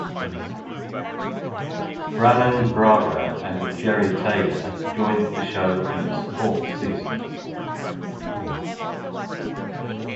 Brannon Braga and Jeri Taylor joined the show in its fourth season.